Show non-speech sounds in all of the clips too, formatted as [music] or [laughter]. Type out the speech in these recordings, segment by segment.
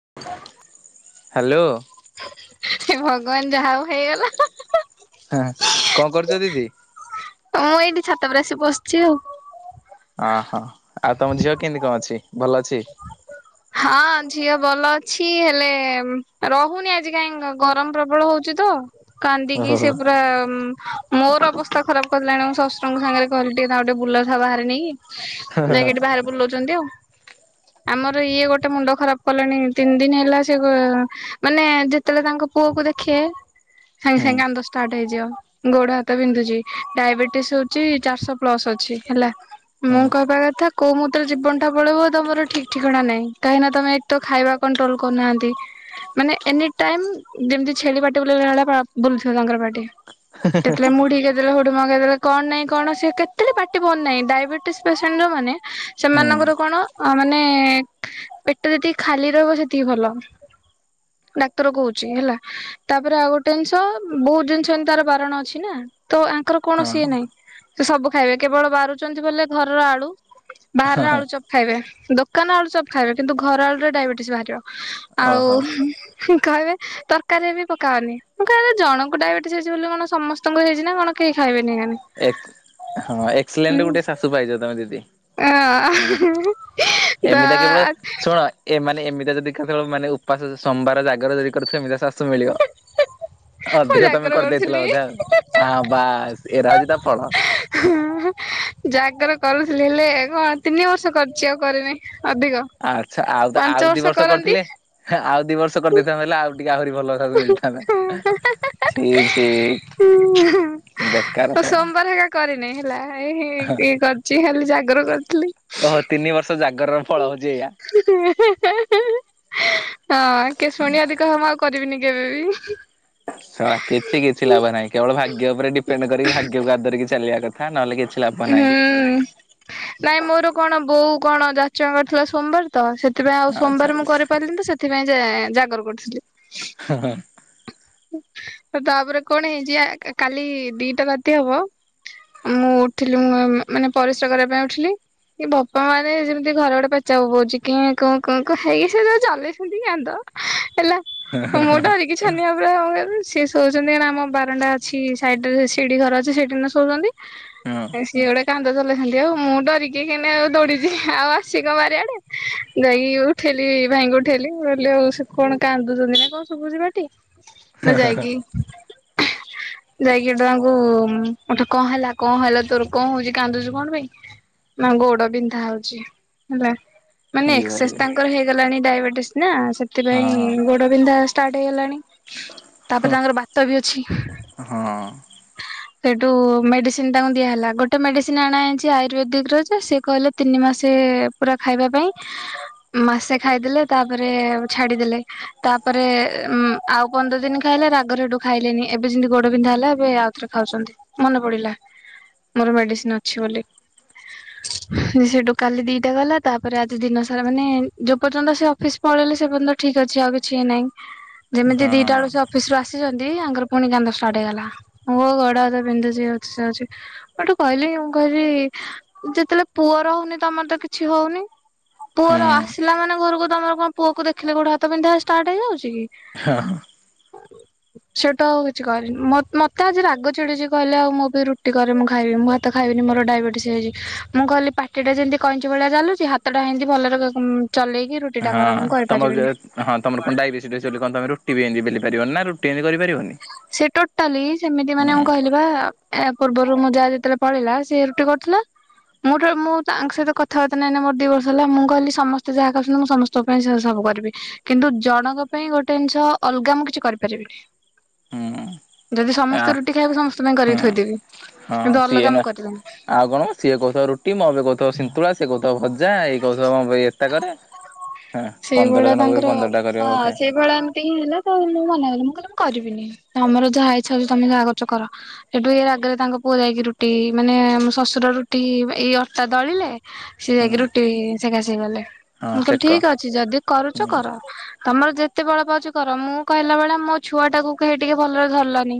[inaudible] Hello. ହେ ଭଗବାନ ଯାହା ହଉ ହେଇଗଲା ହଁ ହଁ ହଁ। ହଁ କଣ କରୁଛ ଦିଦି ମୁଁ ଏଇଠି ଛାତଉପରେ ଆସି ବସିଛି ଆଉ। ଅ ହଁ ଆଉ ତମ ଝିଅ କେମିତି କଣ ଅଛି ଭଲ ଅଛି? ହଁ ଝିଅ ଭଲ ଅଛି ହେଲେ ରହୁନି ଆଜି କାହିଁ ଗରମ ପ୍ରବଳ ହଉଛି ତ। କାନ୍ଦିକି ଓହୋ ସେ ହୁଁ ପୁରା ମୋର ଅବସ୍ଥା ଖରାପ ଗଲାଣି ମୋ ଶଶୁରଙ୍କ ସାଙ୍ଗରେ କହିଲି ଟିକେ ତାକୁ ବୁଲଉଥା ବାହାରେ ନେଇକି। ଯାଇକି ଏଠି ବାହାରେ ବୁଲଉଛନ୍ତି ଆଉ। ଆମର ଇଏ ଗୋଟେ ମୁଣ୍ଡ ଖରାପ କଲେଣି ତିନି ଦିନ ହେଲା ସେ ଗ ମାନେ ଯେତେବେଳେ ତାଙ୍କ ପୁଅ କୁ ଦେଖିଏ ସାଙ୍ଗେ ସାଙ୍ଗେ କାନ୍ଦ ଷ୍ଟାଟ୍ ହେଇଯିବ ଗୋଡ ହାତ ବିନ୍ଧୁଛି ଡାଇବେଟିସ ହେଉଛି ଚାରିଶହ ପ୍ଲସ ଅଛି ହେଲା ହୁଁ ମୁଁ କହିବା କଥା କୋଉ ମୁହୂର୍ତ୍ତ ରେ ଜୀବନ ଟା ପଳେଇବ ତମର ଠିକ ଠିକଣା ନାଇଁ କାହିଁକି ନା ତମେ ଏକ ତ ଖାଇବା କଣ୍ଟ୍ରୋଲ କରୁନାହାନ୍ତି ମାନେ ଏନିଟାଇମ୍ ଯେମିତି ଛେଳି ପାଟି ବୁଲେଇଲା ଭଳିଆ ବୁଲୁଥିବ ତାଙ୍କର ପାଟି କେତେବେଳେ ମୁଢି କେତେବେଳେ ହୋ ହେଠୁ ମଗେଇଦେଲେ କଣ ନାଇଁ କଣ ସିଏ କେତେବେଳେ ପାଟି ବନ୍ଦ ନାହିଁ ଡାଇବେଟିସ ପେସେଣ୍ଟ ଯୋଉ ମାନେ ସେମାନଙ୍କ ର ହଁ କଣ ଆ ମାନ- ନେ ପେଟ ଯେତିକି ଖାଲି ରହିବ ସେତିକି ଭଲ ଡାକ୍ତର କହୁଛି ହେଲା, ତାପରେ ଆଉ ଗୋଟେ ଜିନିଷ ବହୁତ ଜିନିଷ ଏମିତି ତାର ବାରଣ ଅଛି ନା ତ ଆଙ୍କର କୌଣସି ଇଏ ନାହିଁ ସେ ସବୁ ଖାଇବେ କେବଳ ବାରୁଛନ୍ତି ବଲେ ଘରର ଆଳୁ ବାହାରର ଆଳୁ ଚପ ଖାଇବେ ଦୋକାନ ଆଳୁ ଚପ୍ ଖାଇବେ କିନ୍ତୁ ଘର ଆଳୁରେ ଡାଇବେଟିସ୍ ବାହାରିବ ଓହୋ ହଁ ଆଉ କହିବେ ତରକାରୀ ରେ ବି ପକାଅନି ମୁଁ କହିବି ଜଣଙ୍କୁ ଡାଇବେଟିସ ହେଇଛି ବୋଲି କଣ ସମସ୍ତଙ୍କୁ ହେଇଛି ନା କଣ କେହି ଖାଇବେନି ଏକାନି। ହଁ ଏକ୍ସଲେଣ୍ଟ ହୁଁ ଗୋଟେ ଶାଶୁ ପାଇଚ ତମେ ଦିଦି। [unintelligible] ତ ଏମିତିଆ କେବଳ ଶୁଣ ଏମା ଏମିତିଆ ଯଦି ଦେଖା ଯିବ ମାନେ ଉପାସ ସୋମବାର ଜାଗର ଯଦି କରୁଥିବେ ଏମିତିଆ ଶାଶୁ ମିଳିବ। ମୁଁ ଅଧିକ ତମେ ଜାଗର କରିଦେଇଥିଲ କରୁଥିଲି ବୋଧେ ଆଉ ହଁ ବାସ୍ ଏରା ହଉଛି ତା ଫଳ ଜାଗର କରୁ ଥିଲି ହେଲେ ଗ ତିନି ବର୍ଷ କରିଛି ଆଉ କରିନାଇଁ ଆଚ୍ଛା ଆଉ ତ ଆଉ ଦି ବର୍ଷ କରନ୍ତି। କରିଥିଲେ ଆଉ ଦି ବର୍ଷ। ବର୍ଷେ କରିଦେଇଥାନ୍ତ ହେଲେ ଆଉ ଟିକେ ଆହୁରି ଭଲ ଶାଶୁ ମିଳିଥାନ୍ତା ଛି ଛି ବେକାର ଶଳା। ହେଇ ହେ ଇଏ କରିଛି ଖାଲି ଜାଗର କରିଥିଲି। ର ଫଳ ହଉଛି ଏଇଆ। [inaudible] ହଁ କିଏ ଶୁଣିିବ ଯଦି କହିବ ମୁଁ ଆଉ କରିବିନି। କେବେ ବି ଶଳା କିଛି କିଛି ଲାଭ ନାହିଁ କେବଳ ଭାଗ୍ୟ ଉପରେ ଡିପେଣ୍ଡ କରିକି ଭାଗ୍ୟକୁ ଆଦରିକି ଚାଲିବା କଥା ନହେଲେ କି ହୁଁ ନାଇଁ ମୋର କଣ ବୋଉ କଣ ଯାଚଙ୍ଗ କରିଥିଲା ସୋମବାର ତ ସେ ଥିପାଇଁ ଆଉ ଆଚ୍ଛା ସୋମବାର ମୁଁ ଆଚ୍ଛା କରିପାରିଲି ତ ସେଥିପାଇଁ ଯେ ଜାଗର କରୁଥିଲି। ଆଉ ତାପରେ କଣ ହେଇଛି ଆ କାଲି ଦିଟା ରାତି ହବ ମୁଁ ଉଠିଲି ମୁଁ ମାନେ ପରିସ୍ରା କରିବା ପାଇଁ ଉଠିଲି କି ବୋପା ମା ରେ ଯେମିତି ଘର ଗୋଟେ ପେଚା ବୋବୋଉଚି କେଁ କୁଁ କୁଁ କୁଁ ହେଇକି ସେ ତାଙ୍କର ଚଲେଇଛନ୍ତି କାନ୍ଦ ହେଲା ମୁଁ ଡରକି ଛାନିଆ ପୁରା ଆଉ। [unintelligible] ସିଏ ଶୋଉଛନ୍ତି କାହିଁକି ନା ଆମ ବାରଣ୍ଡା ଅଛି ସାଇଡରେ ସିଢି ଘର ଅଛି ସେଠି କିନା ଶୋଉଛନ୍ତି ଆ ହଁ ସି ଗୁଡେ କାନ୍ଦ ଚଲେଇଥାନ୍ତି ଆଉ ମୁଁ ଡରିକି କାହିଁକିନା ଆଉ ଦୌଡିଛି ଆଉ ଆସିକି କଣ ବାରିଆଡେ ଯାଇକି ଉଠେଇଲି ଭାଇଙ୍କୁ ଉଠେଇଲିିଲ ଆଉ କଣ କାନ୍ଦୁଛନ୍ତି ନା କଣ ଶୁୁଭୁଛି [inaudible] ମୁଁ ଯାଇକି ହେଁ ଯାଇକି ଏଟା ତାଙ୍କୁ ଏଟା କଣ ହେଲା କଣ ହେଲା ତୋର କଣ ହଉଛି କାନ୍ଦୁଚୁ କଣ ପାଇଁ ମା ଗୋଡ ବିନ୍ଧା ହଉଛି ହେଲା। ମାନେ ଇଏ ଏକ୍ସେସ ଭାବିଲେ ତାଙ୍କର ହେଇଗଲାଣି ଡାଇବେଟ ନା ସେଥିପାଇଁ ହଁ ଗୋଡ ବିନ୍ଧା ଆ ପାଇ ହେଲା ତାପରେ ତାଙ୍କର ବାତ ବି ଅଛି। ହଁ ସେଠୁ ମେଡିସିନ ତାଙ୍କୁ ଦିଆହେଲା ଗୋଟେ ମେଡିସିନ ଆଣା ହେଇଛି ଆୟୁର୍ବେଦିକ ର ଯେ ସେ କହିଲେ ତିନି ମାସେ ପୁରା ଖାଇବା ପାଇଁ ମାସେ ଖାଇଦେଲେ ତାପରେ ଛାଡିଦେଲେ ତାପରେ ଆଉ ପନ୍ଦର ଦିନ ଖାଇଲା ରାଗରେ ହେଠୁ ଖାଇଲେନି ଏବେ ସେମତି ଗୋଡ ବିନ୍ଧା ହେଲା ଏବେ ଆଉ ଥରେ ଖାଉଛନ୍ତି ମନେ ପଡିଲା ମୋର ମେଡିସିନ ଅଛି ବୋଲି ସେଠୁ କାଲି ଦିଟା ଗଲା ତାପରେ ଆଜି ଦିନ ସାରା ମାନେ ଯୋ ପର୍ଯ୍ୟନ୍ତ ସେ ଅଫିସ ପଳେଇଲେ ସେ ପର୍ଯ୍ୟନ୍ତ ଠିକ ଅଛି ଆଉ କିଛି ନାହିଁ। ଯେମିତି ହଁ ଦିଟା ବେଲୁ ସେ ଅଫିସ ରୁ ଦେଖୁଛନ୍ତି ୟାଙ୍କର ପୁଣି କାନ୍ଦ ଷ୍ଟାର୍ଟ ହେଇଗଲା ମୋ ଗୋଡ ହାତ ବିନ୍ଧୁଛି ଅଛି ସେ ଅଛି ମୁ ହେଟୁ କହିଲି ମୁଁ କହିଲି ଯେତେବେଳେ ପୁଅ ରହୁନି ତମର ତ କିଛି ହଉନି। ହୁଁ ପୁଅର ଆସିଲା ମାନେ ଘରକୁ ତମର କଣ ପୁଅକୁ ଦେଖିଲେ ଗୋଡ ହାତ ବିନ୍ଧା ଷ୍ଟାର୍ଟ ହେଇଯାଉଛି। [unintelligible] ସେଟୁ ଆଉ କିଛି କହିଲିନେ ମ ମତେ ଆଜି ରାଗ ଛିଡିଚି କହିଲେ ଆଉ ମୁଁ ବି ରୁଟି କରେ ମୁଁ ଖାଇବି ମୁଁ ହାତ ଖାଇବିନି ମୋର ଡାଇବେଟିସ ହେଇଛି ମୁଁ କହିଲି ପାଟିଟା ଯେମିତି କଇଁଚି ଭଳିଆ ଚାଲୁଛି ହାତଟା ହେମତି ଭଲରେ ଚଲେଇକି ରୁଟିଟା ହଁ କର ମୁଁ ତମ କରିପାରିବିନି ହଁ ତମର କଣ ଡାଇବେଟିସି ଚି ବୋଲି କଣ ତମେ ରୁଟି ବି ଏତି ବେଲି ପାରିବନି ନା ରୁଟି ଏନ୍ତି କରିପାରିବନି। ସେ ଟୋଟାଲି ସେମିତି ମାନେ ହୁଁ ମୁ କହିଲିବା ପୂର୍ବରୁ ମୁଁ ଯା ଯେତେବେଳେ ପଳେଇଲା ସେ ରୁଟି କରୁଥିଲା ମୁଁ ଟୋ ମୁଁ ତାଙ୍କ ସହିତ କଥାବାର୍ତ୍ତା ନାହିଁ ମୋର ଦି ବର୍ଷ ହେଲା ମୁଁ କହିଲି ସମସ୍ତେ ଯାହା କଛନ୍ତି ମୁଁ ସମସ୍ତଙ୍କ ପାଇଁ ସେ ସବୁ କରିବି କିନ୍ତୁ ଜଣଙ୍କ ପାଇଁ ଗୋଟେ ଜିନିଷ ଅଲଗା ମୁଁ କିଛି କରିପାରିବିନି। ହୁଁ ଯଦି ଆ ସମସ୍ତେ ରୁଟି ଖାଇବେ ସମସ୍ତଙ୍କ ପାଇଁ ହୁଁ କରିକି ଥୋଇଦେବି। ହଁ କିନ୍ତୁ ସିଏ ଅଲଗା ନୁ ମୁଁ କରିବିନି ଆଉ କଣ ସିଏ କହୁଥିବ ରୁଟି ମମି କହୁଥିବ ସିନ୍ତୁଳା ଭଜା ଏଇ କଉଥିବ ଏତା କରେ ହଁ ପନ୍ଦର ସେଇଭଳିଆ ଜଣଙ୍କ ପାଇଁ ତାଙ୍କର ପନ୍ଦରଟା କରିବ ହଁ ବୋଧେ। ସେଇଭଳିଆ ଏମିତି ହିଁ ହେଲା ତ ମୋ ମନା କଲି ମୁଁ କହିଲି ମୁ କ କରିବିନି ତମର ଯାହା ଇଚ୍ଛା ହଉଛି ତମ ଯାହା କରୁଚ କର ସେଠୁ ଇ ରାଗରେ ତାଙ୍କ ପୁଅ ଯାଇକି ରୁଟି ମାନେ ମୋ ଶ୍ୱଶୁର ରୁଟି ଏଇ ଅଟା ଦଳିଲେ ସିଏ ଯାଇକି ହୁଁ ରୁଟି ସେଖା ଶେଖୀ କଲେ ହଁ ମୁଁ କହିଲି ସେକ ଠିକ ଅ ଯଦି କରୁଚ ହୁଁ କର। ତମର ଯେତେ ବଳ ପାଉଚି କର ମୁଁ କହିଲା ବେଳେ ମୋ ଛୁଆ ଟାକୁ କେହି ଟିକେ ଭଲରେ ଧରିଲନି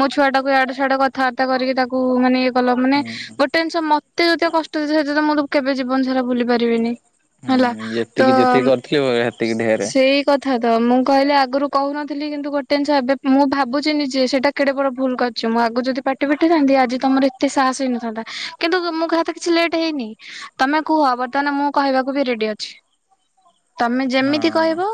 ମୋ ଛୁଆ ଟାକୁ ଆଡୁ ସାଡୁ କଥାବାର୍ତ୍ତା କରିକି ତାକୁ ମାନେ କଲ ମାନେ ହୁଁ ଗୋଟେ ଜିନିଷ ମତେ ଯତିକ କଷ୍ଟ ଦେଇଚ [unintelligible] କେବେ ଜୀବନ ସାରା ଭୁଲି ପାରିବିନି। ହୁଁ ଯେତିକି ଯେତିକି ସେ କରିଥିଲି ସେତିକି ଢେରେ ସେଇ କଥ ତ ମୁଁ କହିଲେ ଆଗରୁ କହୁନଥିଲି କିନ୍ତୁ ଗୋଟେ ଜିନିଷ ଏବେ ମୁଁ ଭାବୁଛିି ନିଜେ ସେଇଟା କେଡେ ବଡ ଭୁଲ କରିଚି ମୁଁ ଆଗରୁ ଯଦି ପାଟି ଫିଟେଇଥାନ୍ତି ଆଜି ତମର ଏତେ ସାହସ ହେଇନଥାନ୍ତା କିନ୍ତୁ ମୁଁ କାହା ତ କିଛି ଲେଟ ହେଇନି ତମେ କୁହ ବର୍ତ୍ତମାନ ମୁଁ କହିବାକୁ ବି ରେଡି ଅଛି। ତମେ ଯେମିତି ହଁ କହିବ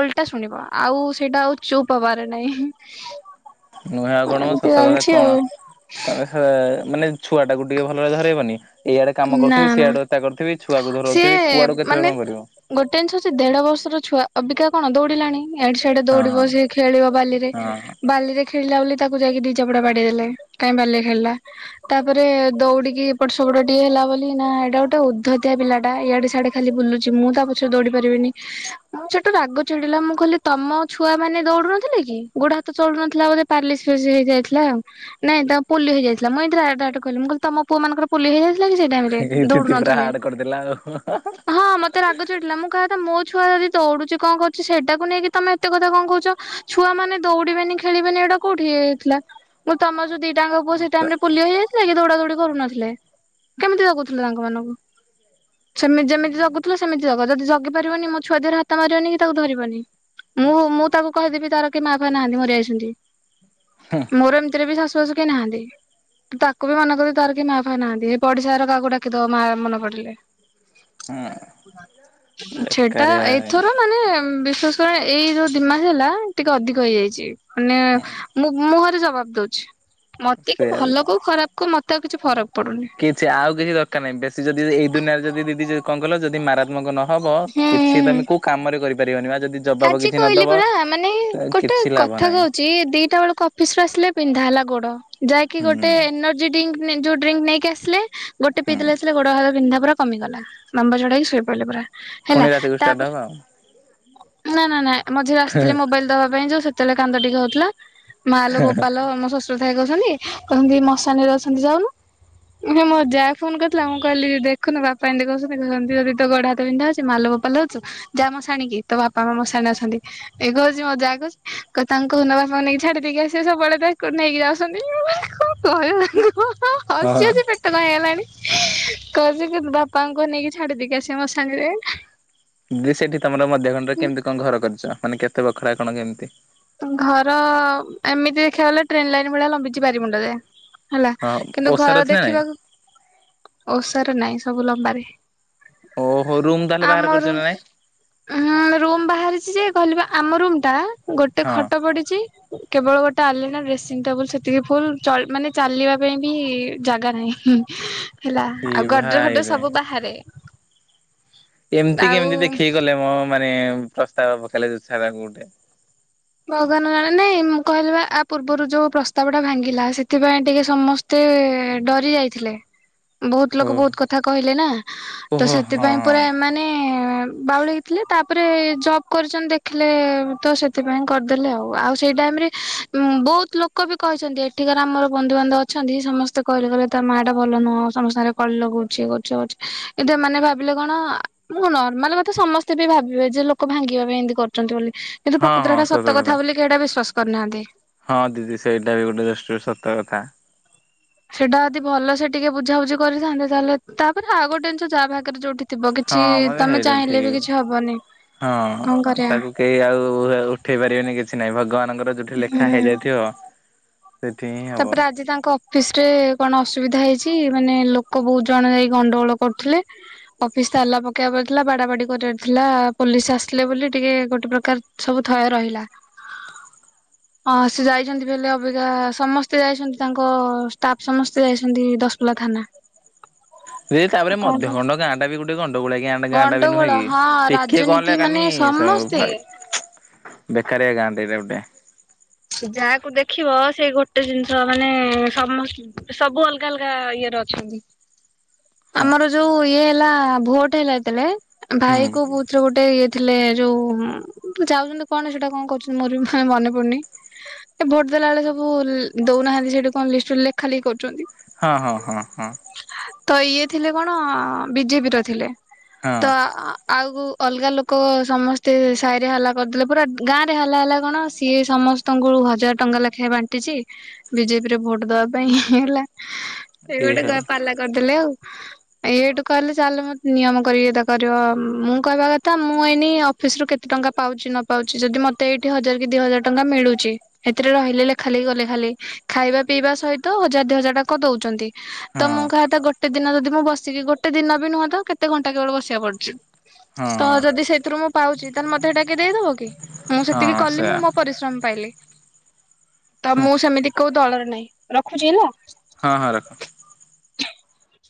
ଓଲଟା ଶୁଣିବ ଆଉ ସେଇଟା ଆଉ ଚୁପ ହବାରେ ନାଇଁ। ନୁହେଁ ଆଉ କଣ ମ ସତ କଥା କଣ ତମେ ସେ ମାନେ ଛୁଆ ଟାକୁୁ ଟିକେ ଭଲରେ ଧରେଇବନି। ଏଇଆଡେ କାମ ନା କରୁଥିବି ନା ସିଆଡେ ତା କରିଥିବି ଛୁଆକୁ ଧରଉଥିବି ସିଏ କୁଆଡୁ କେତେବେଳେ ମାନେ କଣ କରିବ ଗୋଟେ ଜିନିଷ ହଛି ଦେଢ ବର୍ଷର ଛୁଆ। ଅବିକା କଣ ଦୌଡ଼ିଲାଣି ଆଡେ ସଆଡେ ହଁ ହଁ ଦୌଡିବ ସେି ଖେଳିବ ବାଲିରେ ହଁ ବାଲିରେ ଖେଳିଲା ବୋଲି ତାକୁ ଯାଇକି ଦି ଚପୁଡା ବାଡେଇ ଦେଲେ କାଇଁ ବାଲିରେ ଖେଳିଲା ତାପରେ ଦୌଡିକି ଏପଟସେପଟ ଗଏ ହେଲା ବୋଲି ନା ଏଇଟା ଗୋଟେ ଉଦ୍ଧତିଆ ପିଲା ଟା ଇଆଡେ ସିଆଡେ ଖାଲି ବୁଲୁଛି ମୁଁ ତା ପଛରେ ଦୌଡି ପାରିବିନି ମୁଁ ସେଠୁ ରାଗ ଚଡିଲା ମୁଁ କହଲି ତମ ଛୁଆ ମାନେ ଦୌଡୁନଥିଲେ କି ଗୋଡେ ହାତ ଚଳୁନଥିଲା ବୋଧେ ପାରଲିସ ଫାଲିସ୍ ହେଇଯାଇଥିଲାଉ ନାଇଁ ତା ପୋଲିଓ ହେଇଯାଇଥିଲା ମୁଇ ଏତି କହିଲି ମୁଁ କିଲି ତମ ପୁଅ ମାନଙ୍କରୋଲିଓ ହେଇଯାଇଥିଲା। ସେଇ ଟାଇମରେ ଏଇ ଦିଦି ପୁରା ଦଉନଥିଲେ ହାର୍ଡ କରିଦେଲା ଆଉ ହଁ ମତେ ରାଗ ଚିଡିଲା ମୁଁ କହିବା କଥା ମୋ ଛୁଆ ଯଦି ଦୌଡୁଛି କଣ କହୁଛି ସେଇଟାକୁ ନେଇକି ତମେ ଏତେ କଥା କଣ କହୁଛ ଛୁଆ ମାନେ ଦୌଡିବେନି ଖେଳିବେନି ଏଇଟା କୋଉଠି ହେଇଥିଲା ମୁଁ ତମ ଯୋଉ ଦିଇ ସେଇ ଟାଇମରେ ପୋଲିଓହୋଇଯାଇଥିଲା କି ଦୌଡା ଦୌଡି କରୁନଥିଲେ। କେମିତି ଲାଗଉଥିଲ ତାଙ୍କ ମାନଙ୍କୁ। ସେମ ଯେମିତି ଜଗୁଥିଲା ସେମିତି ଜ ଯଦି ଜଗି ପାରିବନି ମୋ ଛୁଆ ଦେହରେ ହାତ ମାରିବନି କି ତାକୁ ଧରିବନି ମୁଁ ମୁଁ ତାକୁ କହିଦେବି ତାର କେହି ମା ଫା ନାହାନ୍ତି ମରି ଯାଇଛନ୍ତି। ମୋର ଏମିତିରେ ବି ଶା କେହି ନାହାନ୍ତି ତାକୁ ବି ମନା କରିବି ତାର କେହି ମା ଫା ନାହାନ୍ତି ପଡିଶା ଘର କାହାକୁ ଡାକିଦବା ମାଆ ମନେ ପଡ଼ିଲେ। ହଁ ସେଟା ବେକାରିଆ ଏଇଥର ମାନେ ବିଶେଷ କଣ ଏଇ ଯେଉଁ ଦୁଇ ମାସ ହେଲା ଟିକେ ଅଧିକ ହେଇଯାଇଛି। ମାନେ ମୁଁ ମୁଁ ଘରେ ଜ ଜବାବ ଦଉଛି। ମତେ କି ସେଇଆ ଭଲ କୋଉ ଖରାପ କଉ ମତେ ତା କିଛି ଫରକ ପଡୁନି। କିଛି ଆଉ। କିଛି ଦରକାରହିଁ ବେଶୀ ଯଦି ଏ ଦୁିରେଦି ଦିଦି ଯି କଣ କଲ ଯଦି ମାରାତ୍ମକ ନ ହବ କିଛି ହୁଁ। ତମେ କୋଉ କାମରେ କର। ପିବନି ବା ଯି ଆଜି କହିଲି ପରା ମାନେ ଗୋଟେ କିଛି ଲାଭ କଥା ନାହିଁ କହୁଛି ଦିଟା ବେଳକୁ ଅଫିସ ରୁ ଆସିଲେ ପିନ୍ଧା ହେଲା ଗୋଡ ଯାହାକି ହୁଁ ଗୋଟେ ଏନର୍ଜି ଡ୍ରିଙ୍କ। ଯୋଉ ଡ୍ରିଙ୍କ ନେଇକି ଆସିଲେ। ଗୋଟ ହୁଁ ପିଇଲେ ଆସ ଗଡ ହାତ ପିନ୍ଧାର। କମଗ ଲମ୍ର ଚଢେଇକି ଶୋଇ ପଡ଼ିଲେ ପା ପୁଣି ରାତିକୁ ଷ୍ଟାର୍ଟ ହବା ଆଉ। ନା ନା ନାଁ ମଝିରେ ଆସିଥିଲେ ମୋବାଇଲ ଦବା ପାଇଁ ଯୋଉ ସେତେବେଳେ କାନ୍ଦ ଟିକେ ହଉ। [unintelligible] ମାଲୋ ବୋପାଲ ଆମ ଶଶୁର କହୁଛନ୍ତି କ ମଶାନୀରେ ଅଛନ୍ତି ଯାଉନୁ ମୋ ଯାହା ଫୋନ କରିଥିଲା ମୁଁ କହିଲି ଦେଖୁନୁ ବାପା ଏମିତି କହୁଛନ୍ତି କଛନ୍ତି ଯଦି ତୋ ଗୋଡ ହାତ ବିିନ୍ଧା ହଉଛି ମାଲ ବପାଉଛ ଯା ମଶାଣିକି। ତ ବାପା ମାମ ମୋ ମସାଣି ରେ ଅଛନ୍ତି ଏଇ ହଉଛି ମୋ ଜା କହୁଉଛି ତାଙ୍କୁ ବାପା ମାନ ନେଇକି ଛାଡି ଦେଇକି ଆସିବେ ସବୁବେଳେ ତାକୁ ନେଇକି ଯାଉଛନ୍ତି ମୁଁ କହିଲି କଣ କହିବ ତାଙ୍କୁ ହଁ ହଁ ହସି ହସି ହଁ ପେଟ କଣ ହେଇଗଲାଣି। [unintelligible] ବାପାଙ୍କୁ କୁହ ନେଇକି ଛାଡିଦେଇକି ଆସିବେ ମସାଣି ରେ ଏଁ ହେଁ ବି ସେଇଠି ତମର ମ ଦେଘରେ କେମିତି କଣ ଘର କରିଛ ମାନେ କେ ଏତେ ବଖରା କଣ କେମିତି? ଘର ଏମିତି ଦେଖିବାକୁ ଗଲେ ଟ୍ରେନ ଲାଇନ ଭଳିଆ ଲମ୍ବିଛି ପାରି ମୁଣ୍ଡ ଯାଏ। ହେଲା ହଁ କିନ୍ତୁ ଓସାର ଘର ଅଛି ନା ନାଇଁ ଦେଖିବାକୁ ଓଷାରେ ନାଇଁ ସବୁ ଲମ୍ବାରେ ହ ଓହୋ ରୁମ୍ ତାହେଲେ ବାହାର ଆମର କରିଛ ନା ନାଇଁ ରୁମ୍ ବାହାରିଛି ଯେ କହିଲି ପା ଆମ ରୁମ୍ ତା ତା ଗୋଟେ ହଁ ଖଟ ପଡିଛି କେବଳ ଗୋଟେ ଆଲେଣା ଡ୍ରେସିଂ ଟେବୁଲ ସେତିକି ଫୁଲ ମାନେ ଚ ଚାଲିବା ପାଇଁ ବି ଜାଗା ନାହିଁ। ହେଲା ଏ ଆଉ [unintelligible] ଭାଇରେ ସବୁ ବାହାରେ। ଏମିତି ଆଉ କେମିତି ଦେଖେଇ ଗଲେ ମୋ ମାନେ ପ୍ରସ୍ତାବବ [unintelligible] ଗୋଟେ ଭଗବାନ ଜଣେ ନାଇଁ ମୁଁ କହିଲ ଆ ପୂର୍ବରୁ ଯୋଉ ପ୍ରସ୍ତାବ ଟା ଭାଙ୍ଗିଲା ସେଥିପାଇଁ ଟିକେ ସମସ୍ତେ ଡରି ଯାଇଥିଲେ। ବହୁତ ଓ ଲୋକ ବହୁତ କଥା କହିଲେ ନା ତ ଓହୋ ହଁ ସେଥିପାଇଁ ପୁରା ହଁ ଏମାନେ ବାଉଳେକି ଥିଲେ ତାପରେ ଜବ୍ କରିଛନ୍ତି ଦେଖିଲେ ତ ସେଥି ସେଥିପାଇଁ କରିଦେଲେ ଆଉ ଆଉ ସେଇ ଟାଇମରେ ବହୁତ ଲୋକ ବି କହିଛନ୍ତି ଏଠିକାର ଆମର ବନ୍ଧୁବାନ୍ଧବ ଅଛନ୍ତି ସମସ୍ତେ କହିଲେ କହଲେ ତା ମା ଟା ଭଲ ନୁହଁ ସମସ୍ତ ରେ କଳି ଲଗଉଛି କରୁଛିଛି କିନ୍ତୁ ଏମାନେ ଭାବିଲେ କଣ ମୁଁ ନର୍ମାଲ କଥା ସମସ୍ତେ ବି ଭାବିବେ ଯେ ଲୋକ ଭାଙ୍ଗିବା ପାଇଁ ଏମିତି କରୁଛନ୍ତି ବୋଲି କ ଏଟା ସତ କଥା ବୋଲିଇଟ ବିଶ୍ୱା କରିନାନ୍ତି। ହଁ ଦିଦି ସେଇଟା ବି ଗୋଟେ ଦୃଷ୍ଟିରୁ ସତ କଥା। ସେଟା ଯଦି ଭଲ ସେ ଟିକେ ବୁଝାବୁଝି କରିଥାନ୍ତେ ତାହେଲେ ତାପରେ ଆଉ ଗୋଟେଜିନିଷ ଯାହା ଭାଗ୍ୟରେ ଯୋଉଠି ଥିବ ହଁ କିଛି ମ ବି ତମେ ହେଇଟା ଚାହିଁଲେ ଠିକ୍ ବି କିଛି ହବନି କଣ ହଁ କରିବା ତାକୁ କେହି ଆଉ ଉଠେଇ ପାରିବେନି କି ଛି ନାଇଁ ଭଗବାନ ତାଙ୍କର ଯୋଉଠି ଲେଖା ହୁଁ। ହେଇଯାଇଥିବ ସେଠି ହିଁ ହବ ତାପରେ ଆଜି ତାଙ୍କ ଅଫିସ ରେ କଣ ଅସୁବିଧା ହେଇଛି ମାନେ ଲୋକ ବହୁତ ଜଣ ଯାଇକି ଗଣ୍ଡଗୋଳ କରୁଥିଲେ ଅଫିସ ତାଲା ପକେଇବା ପଲି ଥିଲା ବାଡା ବାଡି କରିବାର ଥିଲା ପୋଲିସ ଆସିଲେ ବୋଲି ଟିକେ ଗୋଟେ ପ୍ରକାର ସବୁ ଥୟ ରହିଲା ଅ ସେ ଯାଇଛନ୍ତି ବେଲେ ଅବିକା ସମସ୍ ସ୍ତେ ଯାଇଛନ୍ତି ତାଙ୍କ ଷ୍ଟାଫ୍ ସମସ୍ତେ ଯାଇଛନ୍ତି ଦଶମୁ୍ଲା ଥାନା। ଦିଦି ତାପରେ କଣ ମଧ୍ୟ କଣ ଖଣ୍ଡ ଗାଁ ଟା ବି ଗୋଟେ ଗଣ୍ଡ ଗୋଳକ ଗାଁ ଟା ବି ନୁହେଁ ଗଣ୍ଡଗୋଳ କି ହଁ ଟିକିଏ ରାଜନୀତି କହଣ ମାନେ ହେକାନି ସମସ୍ତେ ବେକାରିଆ ଗାଁ ଟା ଏବେ ଗୁଁଟେ ସ ଯାହାକୁ ଦେଖିବ ସେଇ ଗୋଟେ ଜିନିଷ ମାନେ ସମ ସବୁ ଅଲଗା ଅଲଗା ଇଏରେ ଅଛନ୍ତି। ହଁ ଆମର ଯଉ ଇଏ ହେଲା ଭୋଟ ହେଲା ଯେତେବେଳେ ହୁଁ ଭାଇକୁ କଉଥିରେ ଗୋଟେ ଏ ଥିଲେ ଯଉ ଯାଉଚନ୍ତି କଣ ସେଟା କଣ କରୁଚନ୍ତି ମୋର ବି ମାନେ ମନେ ପଡୁନି। ଭୋଟ ଦେଲା ବେଳେ ସବୁ ଦଉନାହାନ୍ତି ସେଠି କଣ ଲିଷ୍ଟରେ ଲେଖା ଲେଖି କରୁଚନ୍ତି। ହଁ ହଁ ହଁ ହଁ। ତ ଇଏ ଥିଲେ କଣ ବିଜେପିର ଥିଲେ। ତ ହଁ ଆ ଆଉ ଅଲଗା ଲୋକ ସମସ୍ତେ ସାହିରେ ହାଲା କରିଦେଲେ ପୁରା ଗାଁ ରେ ହାଲା ହେଲା କଣ ସିଏ ସମସ୍ତ ଙ୍କୁୁ ହଜାର ଟଙ୍କା ଲେଖାଏଁ ବାଣ୍ଟିଚି, ବିଜେପି ରେ ଭୋଟ୍ ଦେବା ପାଇଁ ହେଲା। ସେ ଏ ଗୋଟେ ହଁ ପାଲା କରିଦେଲେ ଆଉ। ଏଇଏଇଠୁ କହିଲେ ଚାଲଲେ ମତେ ନିୟମ କରିକି ଏଇଟା କରିବ ମୁଁ କହିବା କଥା ମୁଁ ଏଇନି ଅଫିସ ରୁ କେତେ ଟଙ୍କା ପାଉଚି ନ ପାଉଛି ଯଦି ମତେ ଏଇଠି ହଜାର କି ଦି ହଜାର ଟଙ୍କା ମିଳୁ ଛି ସେଥିରେ ରହିଲେ ଲେଖା ଲେଖି କଲେ ଖାଲି ଖାଇବା ପିଇବା ସହିତ ହଜାର ଦି ହଜାର ଟଙ୍କା ଦଉଚନ୍ତି। ତ ମୁଁ କହିବା କଥା ଗୋଟେ ଦିନ ଯଦି ମୁଁ ବସିକି ଗୋଟେ ଦିନ ବି ନୁହଁ ତ କେତେ ଘଣ୍ଟା କେବଳ ବସିବା ପଡୁଚି। ହଁ ତ ଯଦି ସେଥିରୁ ମୁଁ ପାଉଚି ତାହେଲେ ମତେ ହେଇଟା କିଏ ଦେଇଦବ କି? ମୁଁ ସେତିକି ହଁ କଲି ମୁଁ ସେଇଆ ମୋ ପରିଶ୍ରମ ପାଇଲି। ତ ମୁଁ ସେମିତି କଉ ଦଳରେ ନାଇଁ ରଖୁଚି ହେଲା। ହଁ ହଁ ରଖ।